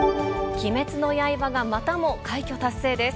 鬼滅の刃がまたも快挙達成です。